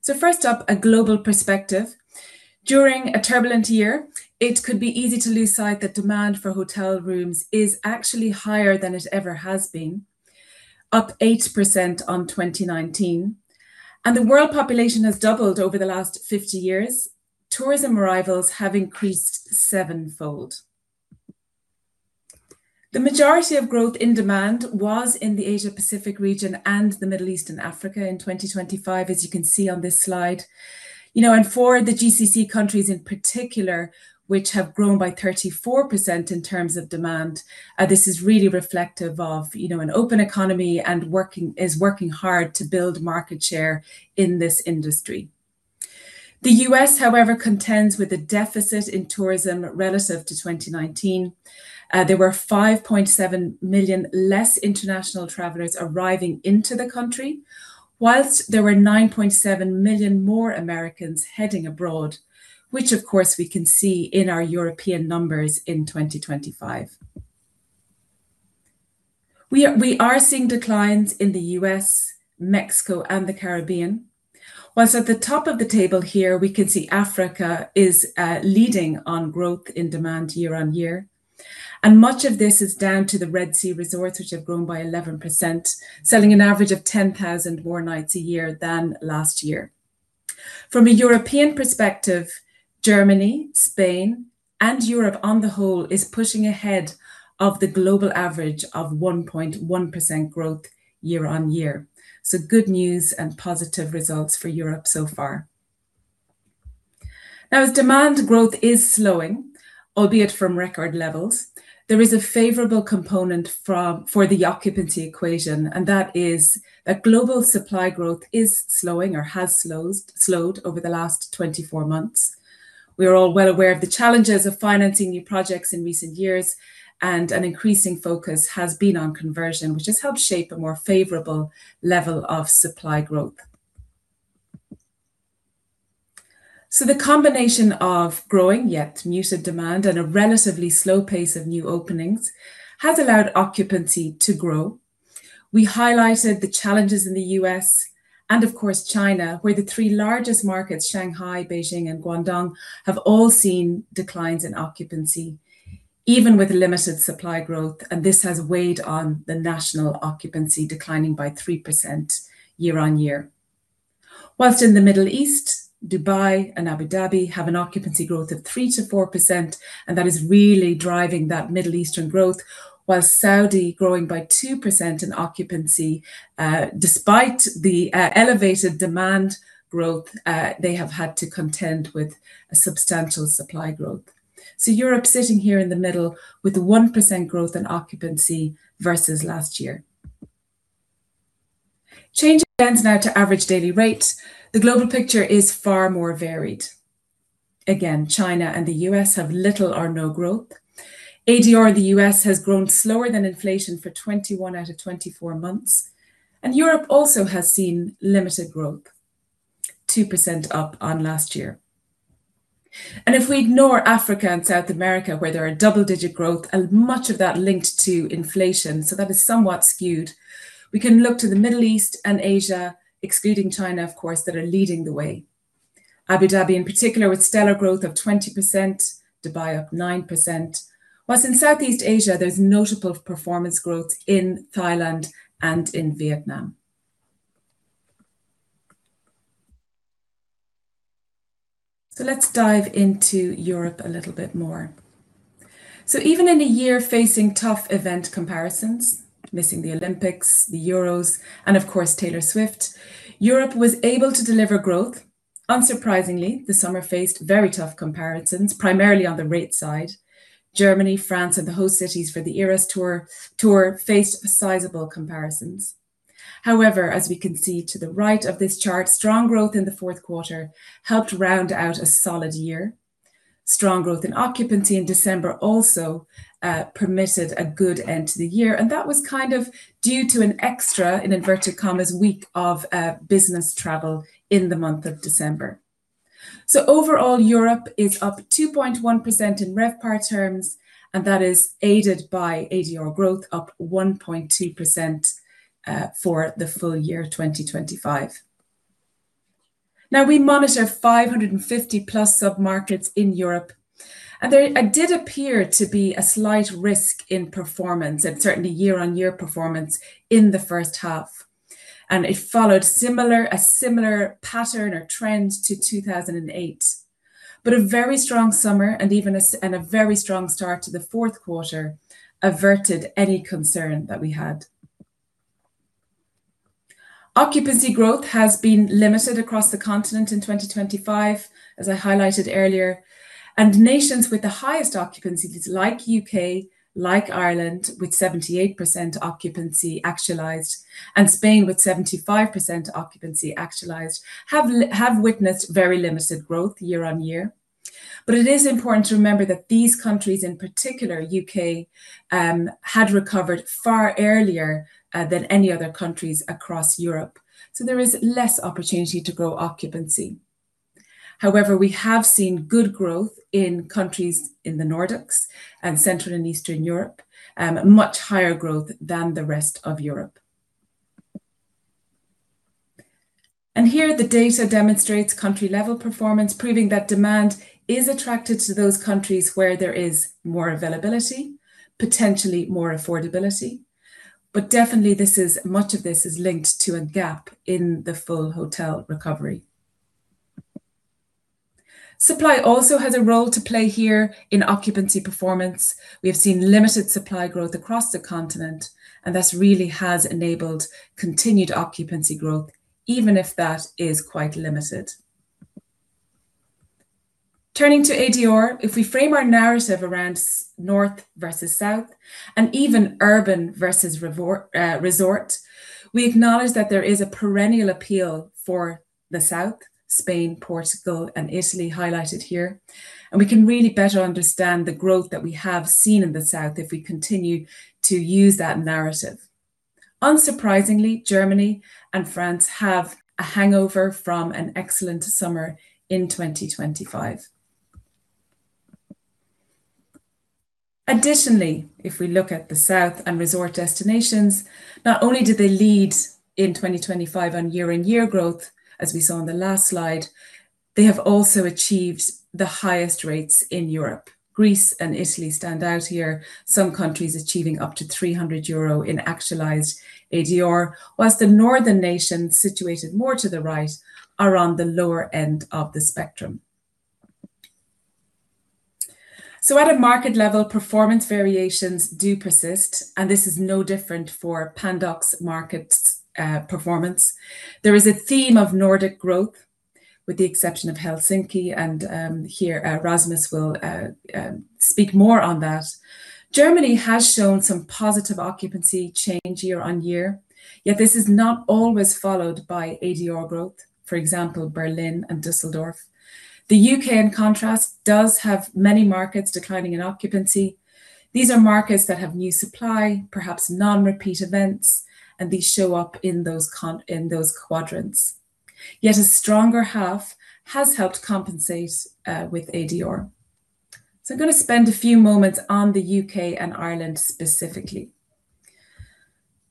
So first up, a global perspective. During a turbulent year, it could be easy to lose sight that demand for hotel rooms is actually higher than it ever has been.... up 8% on 2019, and the world population has doubled over the last 50 years. Tourism arrivals have increased sevenfold. The majority of growth in demand was in the Asia-Pacific region and the Middle East and Africa in 2025, as you can see on this slide. You know, and for the GCC countries in particular, which have grown by 34% in terms of demand, this is really reflective of, you know, an open economy and working hard to build market share in this industry. The U.S., however, contends with a deficit in tourism relative to 2019. There were 5.7 million less international travelers arriving into the country, whilst there were 9.7 million more Americans heading abroad, which, of course, we can see in our European numbers in 2025. We are seeing declines in the U.S., Mexico, and the Caribbean. While at the top of the table here, we can see Africa is leading on growth in demand year-on-year, and much of this is down to the Red Sea resorts, which have grown by 11%, selling an average of 10,000 more nights a year than last year. From a European perspective, Germany, Spain, and Europe on the whole, is pushing ahead of the global average of 1.1% growth year-on-year. So good news and positive results for Europe so far. Now, as demand growth is slowing, albeit from record levels, there is a favorable component from for the occupancy equation, and that is that global supply growth is slowing or has slowed over the last 24 months. We are all well aware of the challenges of financing new projects in recent years, and an increasing focus has been on conversion, which has helped shape a more favorable level of supply growth. So the combination of growing, yet muted demand and a relatively slow pace of new openings has allowed occupancy to grow. We highlighted the challenges in the U.S. and, of course, China, where the three largest markets, Shanghai, Beijing, and Guangdong, have all seen declines in occupancy, even with limited supply growth, and this has weighed on the national occupancy, declining by 3% year-on-year. Whilst in the Middle East, Dubai and Abu Dhabi have an occupancy growth of 3%-4%, and that is really driving that Middle Eastern growth. While Saudi, growing by 2% in occupancy, despite the elevated demand growth, they have had to contend with a substantial supply growth. So Europe sitting here in the middle with a 1% growth in occupancy versus last year. Changing lens now to average daily rates, the global picture is far more varied. Again, China and the U.S. have little or no growth. ADR in the U.S. has grown slower than inflation for 21 out of 24 months, and Europe also has seen limited growth, 2% up on last year. And if we ignore Africa and South America, where there are double-digit growth and much of that linked to inflation, so that is somewhat skewed, we can look to the Middle East and Asia, excluding China, of course, that are leading the way. Abu Dhabi, in particular, with stellar growth of 20%, Dubai up 9%, while in Southeast Asia, there's notable performance growth in Thailand and in Vietnam. So let's dive into Europe a little bit more. So even in a year facing tough event comparisons, missing the Olympics, the Euros, and of course, Taylor Swift, Europe was able to deliver growth. Unsurprisingly, the summer faced very tough comparisons, primarily on the rate side. Germany, France, and the host cities for the Eras Tour faced sizable comparisons. However, as we can see to the right of this chart, strong growth in the fourth quarter helped round out a solid year. Strong growth in occupancy in December also permitted a good end to the year, and that was kind of due to an extra, in inverted commas, week of business travel in the month of December. Overall, Europe is up 2.1% in RevPAR terms, and that is aided by ADR growth, up 1.2%, for the full year of 2025. Now, we monitor 550+ submarkets in Europe, and there did appear to be a slight risk in performance and certainly year-on-year performance in the first half, and it followed a similar pattern or trend to 2008. But a very strong summer and even a very strong start to the fourth quarter averted any concern that we had. Occupancy growth has been limited across the continent in 2025, as I highlighted earlier, and nations with the highest occupancies, like U.K., like Ireland, with 78% occupancy actualized, and Spain with 75% occupancy actualized, have witnessed very limited growth year-on-year. But it is important to remember that these countries, in particular UK, had recovered far earlier than any other countries across Europe. So there is less opportunity to grow occupancy. However, we have seen good growth in countries in the Nordics and Central and Eastern Europe, much higher growth than the rest of Europe. And here the data demonstrates country-level performance, proving that demand is attracted to those countries where there is more availability, potentially more affordability. But definitely, this is, much of this is linked to a gap in the full hotel recovery. Supply also has a role to play here in occupancy performance. We have seen limited supply growth across the continent, and this really has enabled continued occupancy growth, even if that is quite limited. Turning to ADR, if we frame our narrative around North versus South, and even urban versus resort, we acknowledge that there is a perennial appeal for the South, Spain, Portugal, and Italy highlighted here. We can really better understand the growth that we have seen in the South if we continue to use that narrative. Unsurprisingly, Germany and France have a hangover from an excellent summer in 2025. Additionally, if we look at the South and resort destinations, not only do they lead in 2025 on year-on-year growth, as we saw on the last slide, they have also achieved the highest rates in Europe. Greece and Italy stand out here, some countries achieving up to 300 euro in actualized ADR, while the northern nations, situated more to the right, are on the lower end of the spectrum. So at a market level, performance variations do persist, and this is no different for Pandox markets, performance. There is a theme of Nordic growth, with the exception of Helsinki and, here, Rasmus will speak more on that. Germany has shown some positive occupancy change year-on-year, yet this is not always followed by ADR growth, for example, Berlin and Düsseldorf. The U.K., in contrast, does have many markets declining in occupancy. These are markets that have new supply, perhaps non-repeat events, and these show up in those quadrants. Yet a stronger half has helped compensate, with ADR. So I'm gonna spend a few moments on the U.K. and Ireland specifically.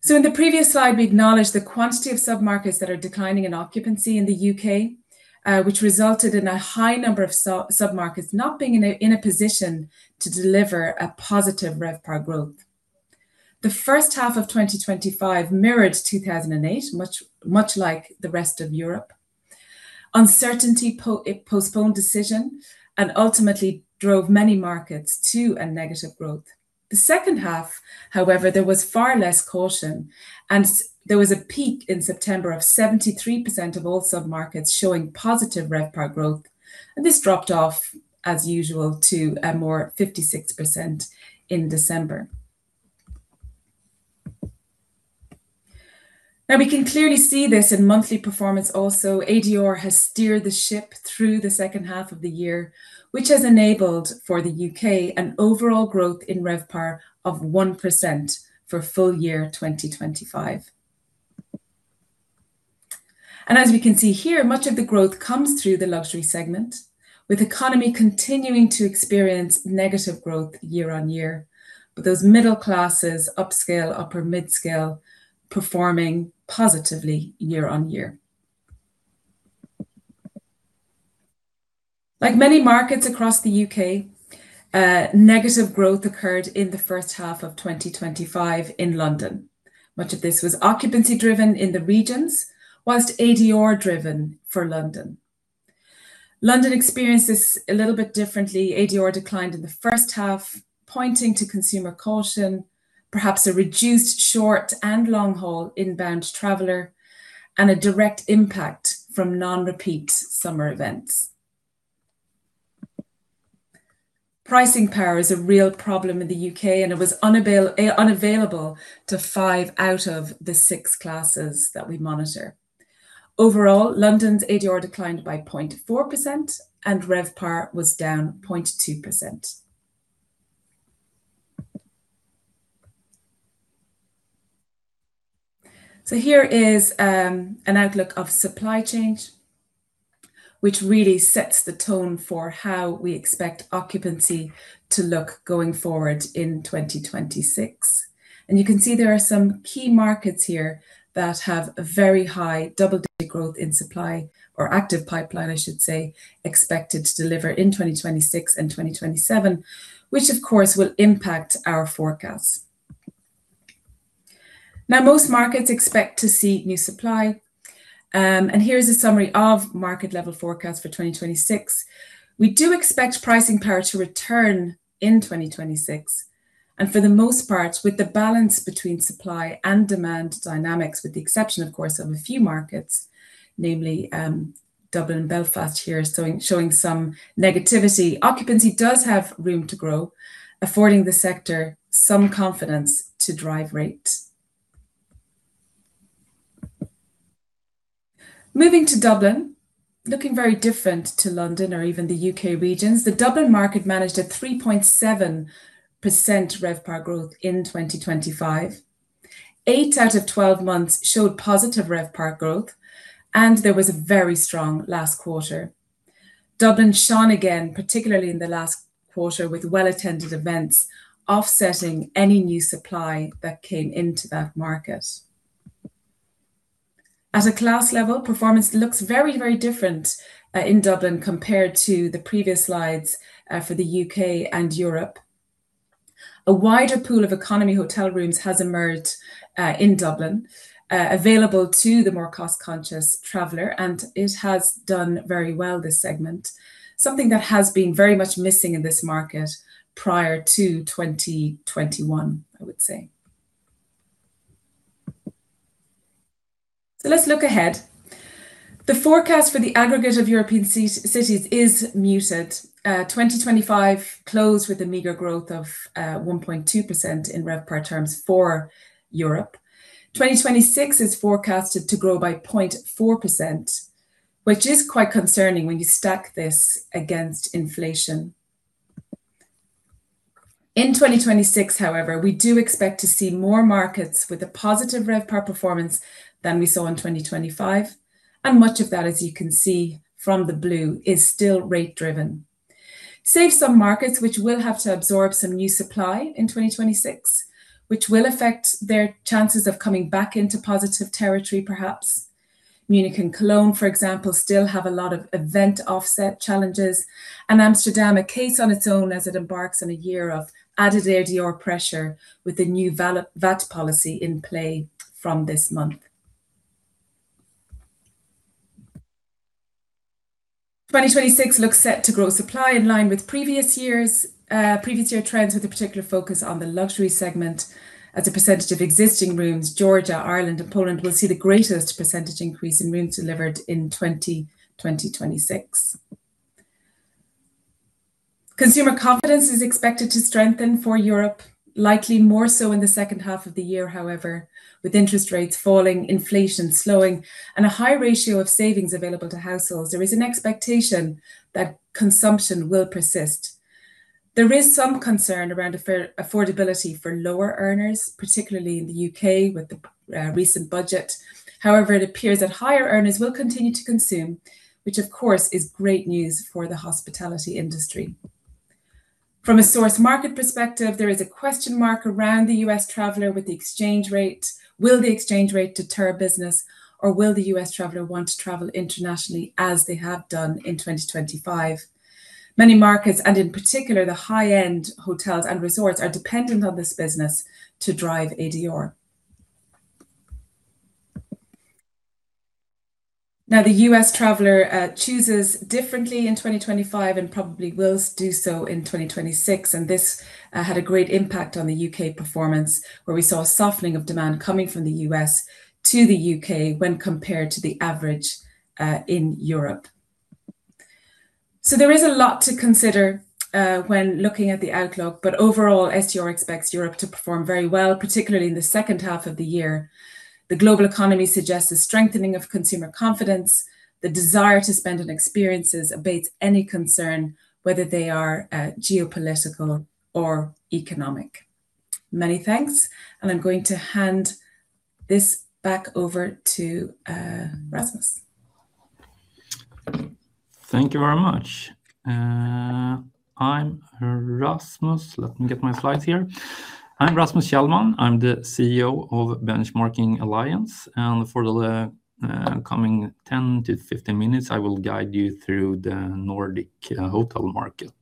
So in the previous slide, we acknowledged the quantity of sub-markets that are declining in occupancy in the U.K., which resulted in a high number of sub-markets not being in a position to deliver a positive RevPAR growth. The first half of 2025 mirrored 2008, much, much like the rest of Europe. Uncertainty postponed decision and ultimately drove many markets to a negative growth. The second half, however, there was far less caution, and there was a peak in September of 73% of all sub-markets showing positive RevPAR growth, and this dropped off, as usual, to a more 56% in December. Now, we can clearly see this in monthly performance also. ADR has steered the ship through the second half of the year, which has enabled, for the UK, an overall growth in RevPAR of 1% for full year 2025. And as we can see here, much of the growth comes through the luxury segment, with economy continuing to experience negative growth year-over-year. But those middle classes, upscale, upper mid-scale, performing positively year-over-year. Like many markets across the UK, negative growth occurred in the first half of 2025 in London. Much of this was occupancy-driven in the regions, while ADR-driven for London. London experienced this a little bit differently. ADR declined in the first half, pointing to consumer caution, perhaps a reduced short and long-haul inbound traveler, and a direct impact from non-repeat summer events. Pricing power is a real problem in the UK, and it was unavail... Unavailable to five out of the six classes that we monitor. Overall, London's ADR declined by 0.4%, and RevPAR was down 0.2%. So here is an outlook of supply change, which really sets the tone for how we expect occupancy to look going forward in 2026. And you can see there are some key markets here that have a very high double-digit growth in supply, or active pipeline, I should say, expected to deliver in 2026 and 2027, which of course will impact our forecasts. Now, most markets expect to see new supply, and here is a summary of market-level forecasts for 2026. We do expect pricing power to return in 2026, and for the most part, with the balance between supply and demand dynamics, with the exception, of course, of a few markets, namely, Dublin and Belfast here, showing some negativity. Occupancy does have room to grow, affording the sector some confidence to drive rates. Moving to Dublin, looking very different to London or even the U.K. regions, the Dublin market managed a 3.7% RevPAR growth in 2025. Eight out of 12 months showed positive RevPAR growth, and there was a very strong last quarter. Dublin shone again, particularly in the last quarter, with well-attended events, offsetting any new supply that came into that market. At a class level, performance looks very, very different in Dublin compared to the previous slides for the U.K. and Europe. A wider pool of economy hotel rooms has emerged in Dublin, available to the more cost-conscious traveler, and it has done very well, this segment. Something that has been very much missing in this market prior to 2021, I would say. So let's look ahead. The forecast for the aggregate of European cities is muted. 2025 closed with a meager growth of 1.2% in RevPAR terms for Europe. 2026 is forecasted to grow by 0.4%, which is quite concerning when you stack this against inflation. In 2026, however, we do expect to see more markets with a positive RevPAR performance than we saw in 2025, and much of that, as you can see from the blue, is still rate-driven. Save some markets which will have to absorb some new supply in 2026, which will affect their chances of coming back into positive territory, perhaps. Munich and Cologne, for example, still have a lot of event offset challenges, and Amsterdam, a case on its own, as it embarks on a year of added ADR pressure with the new VAT policy in play from this month. 2026 looks set to grow supply in line with previous years, previous year trends, with a particular focus on the luxury segment as a percentage of existing rooms. Georgia, Ireland, and Poland will see the greatest percentage increase in rooms delivered in 2026. Consumer confidence is expected to strengthen for Europe, likely more so in the second half of the year, however. With interest rates falling, inflation slowing, and a high ratio of savings available to households, there is an expectation that consumption will persist. There is some concern around affordability for lower earners, particularly in the UK, with the recent budget. However, it appears that higher earners will continue to consume, which, of course, is great news for the hospitality industry. From a source market perspective, there is a question mark around the U.S. traveler with the exchange rate. Will the exchange rate deter business, or will the U.S. traveler want to travel internationally as they have done in 2025? Many markets, and in particular, the high-end hotels and resorts, are dependent on this business to drive ADR. Now, the U.S. traveler chooses differently in 2025 and probably will do so in 2026, and this had a great impact on the U.K. performance, where we saw a softening of demand coming from the U.S. to the U.K. when compared to the average in Europe. So there is a lot to consider when looking at the outlook, but overall, STR expects Europe to perform very well, particularly in the second half of the year. The global economy suggests a strengthening of consumer confidence. The desire to spend on experiences abates any concern, whether they are geopolitical or economic. Many thanks, and I'm going to hand this back over to Rasmus. Thank you very much. I'm Rasmus. Let me get my slides here. I'm Rasmus Kjellman. I'm the CEO of Benchmarking Alliance, and for the coming 10-15 minutes, I will guide you through the Nordic hotel market.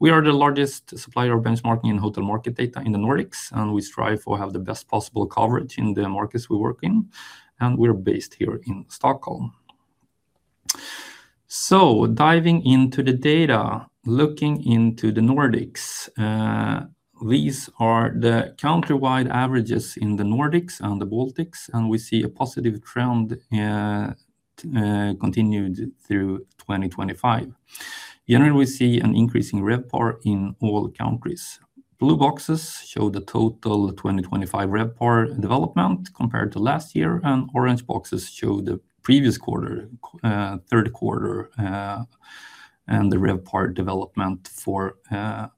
We are the largest supplier of benchmarking and hotel market data in the Nordics, and we strive for have the best possible coverage in the markets we work in, and we're based here in Stockholm. So diving into the data, looking into the Nordics, these are the country-wide averages in the Nordics and the Baltics, and we see a positive trend continued through 2025. Generally, we see an increase in RevPAR in all countries. Blue boxes show the total 2025 RevPAR development compared to last year, and orange boxes show the previous quarter, third quarter, and the RevPAR development for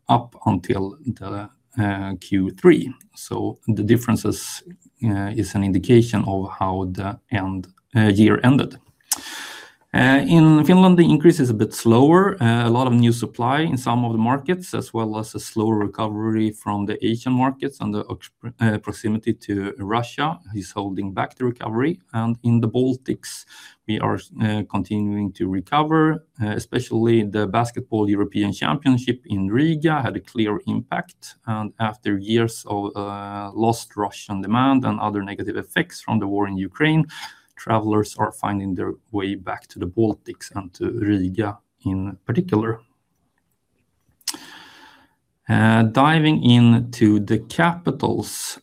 up until the Q3. So the differences is an indication of how the end year ended. In Finland, the increase is a bit slower. A lot of new supply in some of the markets, as well as a slower recovery from the Asian markets and the proximity to Russia is holding back the recovery. And in the Baltics, we are continuing to recover, especially the Basketball European Championship in Riga had a clear impact. And after years of lost Russian demand and other negative effects from the war in Ukraine, travelers are finding their way back to the Baltics and to Riga in particular. Diving into the capitals,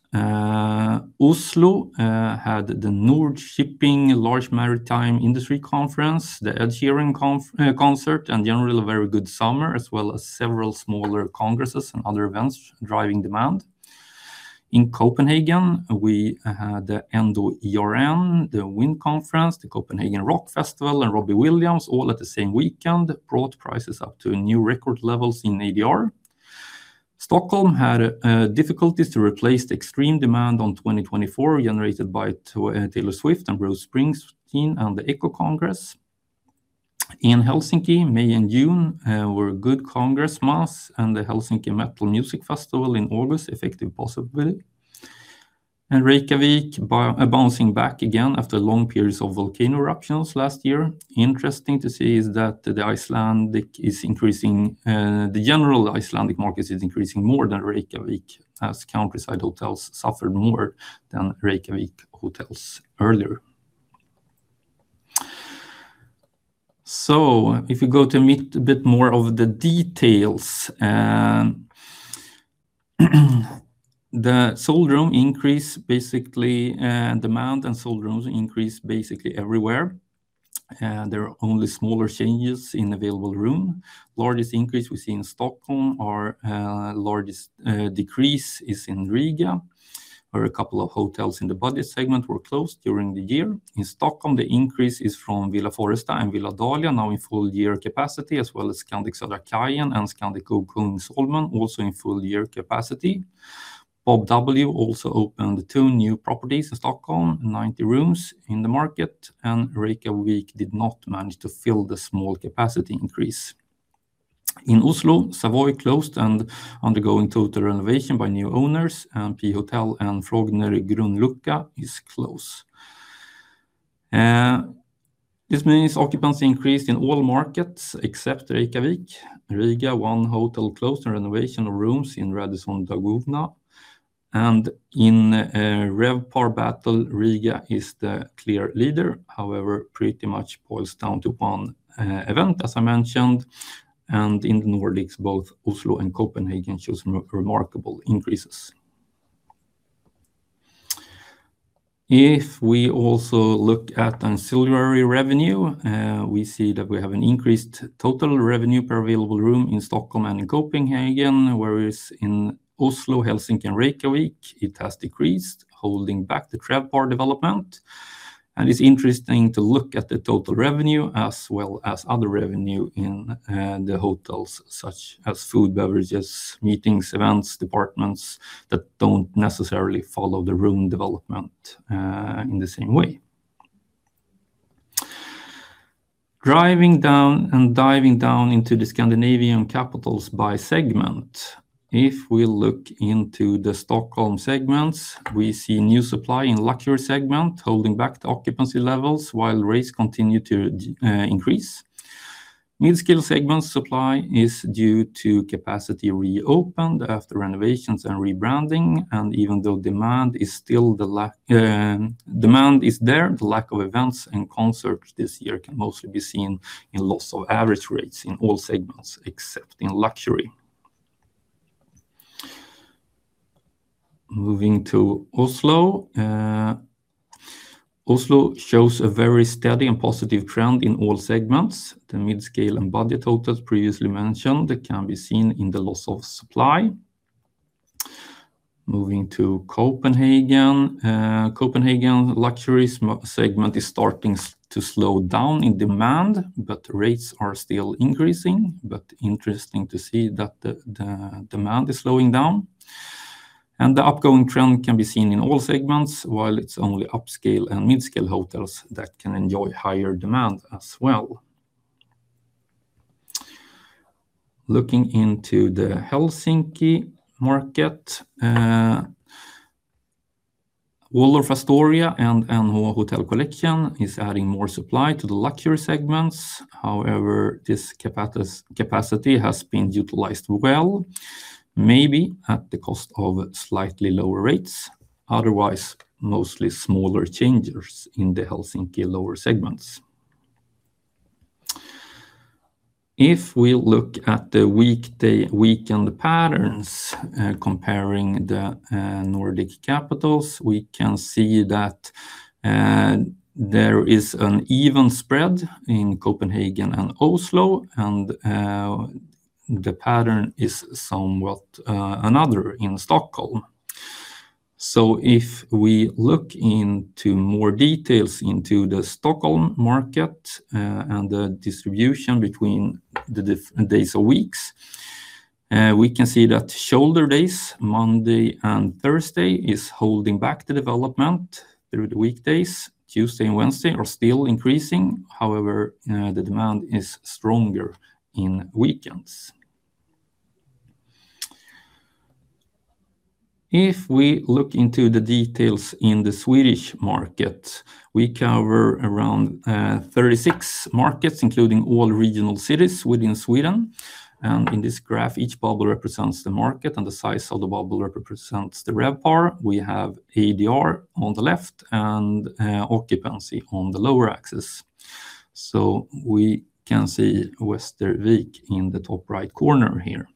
Oslo had the Nor-Shipping, large maritime industry conference, the Ed Sheeran concert, and generally, a very good summer, as well as several smaller congresses and other events driving demand. In Copenhagen, we had the Endo-ERN, the WIN Conference, the Copenhagen Rock Festival, and Robbie Williams, all at the same weekend, brought prices up to new record levels in ADR. Stockholm had difficulties to replace the extreme demand on 2024, generated by Taylor Swift and Bruce Springsteen and the ECCO Congress. In Helsinki, May and June were good congress months, and the Helsinki Metal Music Festival in August effective possible. Reykjavik bouncing back again after long periods of volcano eruptions last year. Interesting to see is that the Icelandic is increasing. The general Icelandic market is increasing more than Reykjavik, as countryside hotels suffered more than Reykjavik hotels earlier. So if you go to meet a bit more of the details, the sold room increase, basically, demand and sold rooms increase basically everywhere. There are only smaller changes in available room. Largest increase we see in Stockholm, our largest decrease is in Riga, where a couple of hotels in the budget segment were closed during the year. In Stockholm, the increase is from Villa Foresta and Villa Dahlia, now in full year capacity, as well as Scandic Södra Kajen and Scandic Kungsholmen, also in full year capacity. Bob W also opened two new properties in Stockholm, 90 rooms in the market, and Reykjavik did not manage to fill the small capacity increase. In Oslo, Savoy closed and undergoing total renovation by new owners, and P-Hotels and Frogner House is closed. This means occupancy increased in all markets except Reykjavík. Riga, one hotel closed and renovation rooms in Radisson Blu Daugava. And in RevPAR battle, Riga is the clear leader. However, pretty much boils down to one event, as I mentioned. And in the Nordics, both Oslo and Copenhagen shows remarkable increases. If we also look at ancillary revenue, we see that we have an increased total revenue per available room in Stockholm and in Copenhagen, whereas in Oslo, Helsinki, and Reykjavík, it has decreased, holding back the RevPAR development. And it's interesting to look at the total revenue as well as other revenue in the hotels, such as food, beverages, meetings, events, departments that don't necessarily follow the room development in the same way. Driving down and diving down into the Scandinavian capitals by segment. If we look into the Stockholm segments, we see new supply in luxury segment, holding back the occupancy levels while rates continue to increase. Mid-scale segment supply is due to capacity reopened after renovations and rebranding, and even though demand is still the demand is there, the lack of events and concerts this year can mostly be seen in loss of average rates in all segments, except in luxury. Moving to Oslo. Oslo shows a very steady and positive trend in all segments. The mid-scale and budget hotels previously mentioned can be seen in the loss of supply. Moving to Copenhagen. Copenhagen luxury segment is starting to slow down in demand, but rates are still increasing. But interesting to see that the demand is slowing down. The upcoming trend can be seen in all segments, while it's only upscale and mid-scale hotels that can enjoy higher demand as well. Looking into the Helsinki market, Waldorf Astoria and Hotel Collection is adding more supply to the luxury segments. However, this capacity has been utilized well, maybe at the cost of slightly lower rates. Otherwise, mostly smaller changes in the Helsinki lower segments. If we look at the weekday, weekend patterns, comparing the Nordic capitals, we can see that there is an even spread in Copenhagen and Oslo, and the pattern is somewhat another in Stockholm. So if we look into more details into the Stockholm market, and the distribution between the different days or weeks, we can see that shoulder days, Monday and Thursday, is holding back the development through the weekdays. Tuesday and Wednesday are still increasing. However, the demand is stronger in weekends. If we look into the details in the Swedish market, we cover around 36 markets, including all regional cities within Sweden. And in this graph, each bubble represents the market, and the size of the bubble represents the RevPAR. We have ADR on the left and occupancy on the lower axis. So we can see Västervik in the top right corner here.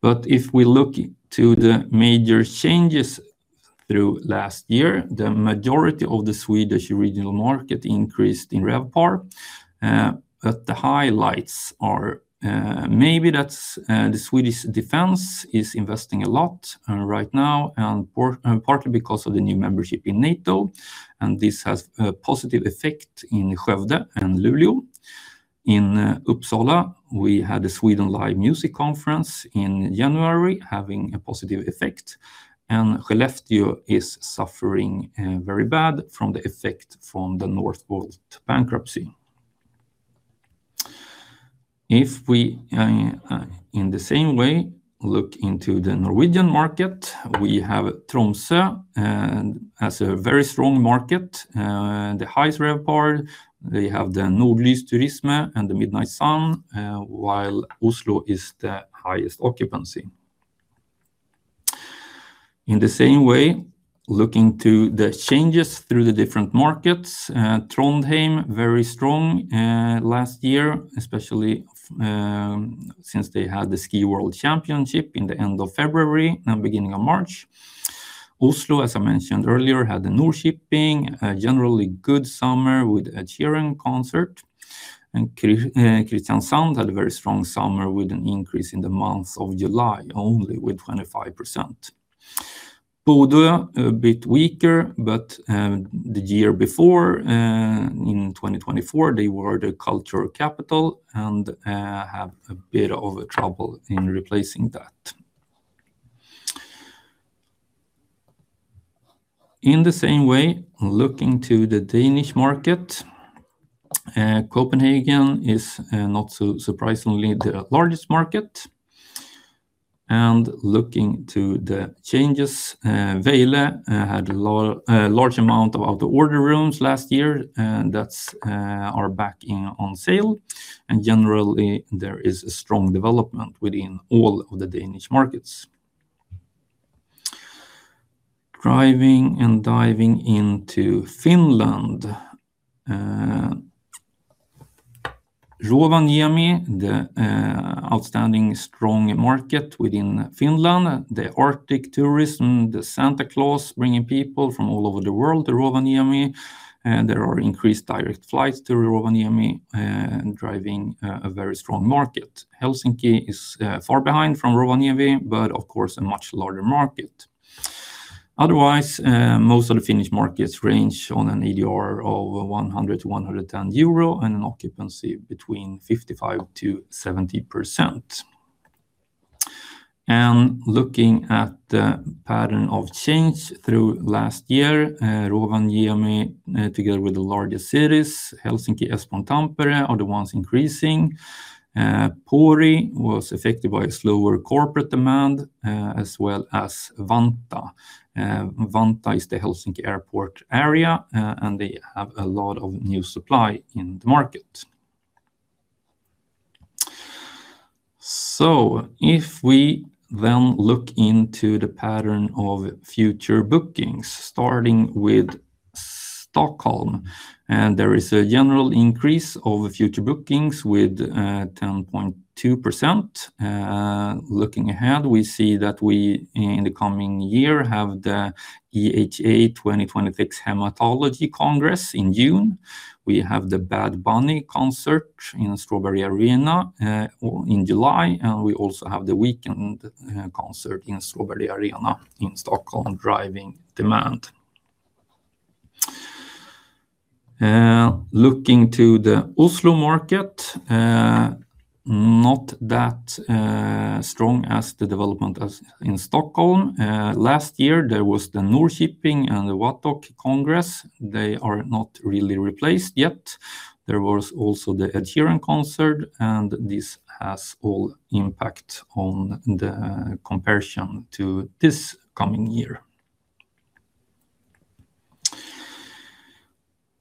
But if we look to the major changes through last year, the majority of the Swedish regional market increased in RevPAR. But the highlights are maybe that's the Swedish defense is investing a lot right now, and partly because of the new membership in NATO, and this has a positive effect in Skövde and Luleå. In Uppsala, we had the Sweden Live Music Conference in January, having a positive effect, and Skellefteå is suffering very bad from the effect from the Northvolt bankruptcy. If we in the same way look into the Norwegian market, we have Tromsø as a very strong market. The highest RevPAR. They have the Nordlys tourism and the Midnight Sun, while Oslo is the highest occupancy. In the same way, looking to the changes through the different markets, Trondheim very strong last year, especially since they had the Ski World Championship in the end of February and beginning of March. Oslo, as I mentioned earlier, had the Nor-Shipping, a generally good summer with Ed Sheeran concert, and Kristiansand had a very strong summer with an increase in the month of July only, with 25%. Bodø, a bit weaker, but the year before, in 2024, they were the cultural capital and have a bit of a trouble in replacing that. In the same way, looking to the Danish market, Copenhagen is not so surprisingly, the largest market. Looking to the changes, Vejle had a large amount of out of order rooms last year, and they're back on sale. And generally, there is a strong development within all of the Danish markets. Diving into Finland, Rovaniemi, the outstanding strong market within Finland, the Arctic tourism, the Santa Claus, bringing people from all over the world to Rovaniemi, and there are increased direct flights to Rovaniemi, driving a very strong market. Helsinki is far behind from Rovaniemi, but of course, a much larger market. Otherwise, most of the Finnish markets range on an ADR of 100-110 euro and an occupancy between 55%-70%. And looking at the pattern of change through last year, Rovaniemi, together with the largest cities, Helsinki, Espoo, Tampere, are the ones increasing. Pori was affected by a slower corporate demand, as well as Vantaa. Vantaa is the Helsinki Airport area, and they have a lot of new supply in the market. So if we then look into the pattern of future bookings, starting with Stockholm, and there is a general increase of future bookings with 10.2%. Looking ahead, we see that we, in the coming year, have the EHA 2026 Hematology Congress in June. We have the Bad Bunny concert in Strawberry Arena in July, and we also have The Weeknd concert in Strawberry Arena in Stockholm, driving demand. Looking to the Oslo market, not as strong as the development in Stockholm. Last year, there was the Nor-Shipping and the WATOC Congress. They are not really replaced yet. There was also the Ed Sheeran concert, and this has all impact on the comparison to this coming year.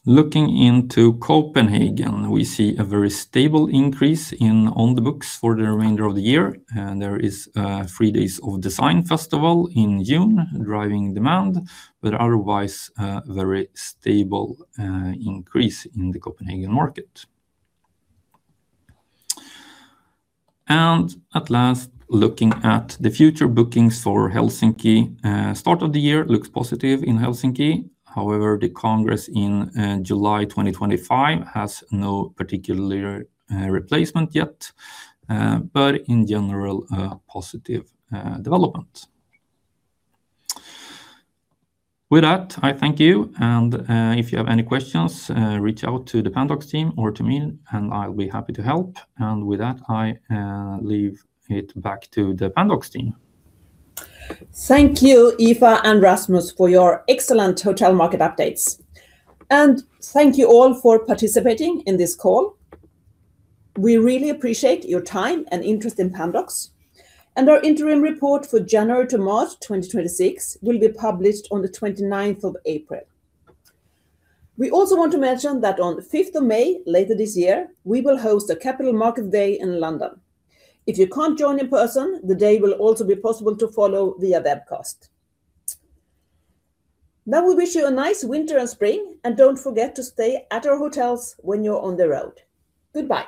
Looking into Copenhagen, we see a very stable increase in on the books for the remainder of the year, and there is three days of Design Festival in June, driving demand, but otherwise very stable increase in the Copenhagen market. At last, looking at the future bookings for Helsinki, start of the year looks positive in Helsinki. However, the congress in July 2025 has no particular replacement yet, but in general, a positive development. With that, I thank you, and if you have any questions, reach out to the Pandox team or to me, and I'll be happy to help. With that, I leave it back to the Pandox team. Thank you, Aoife and Rasmus, for your excellent hotel market updates. Thank you all for participating in this call. We really appreciate your time and interest in Pandox, and our interim report for January to March 2026 will be published on the 29th of April. We also want to mention that on the 5th of May, later this year, we will host a Capital Market Day in London. If you can't join in person, the day will also be possible to follow via webcast. Now, we wish you a nice winter and spring, and don't forget to stay at our hotels when you're on the road. Goodbye.